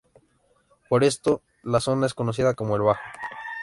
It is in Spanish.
Por esto, la zona es conocida como "el bajo".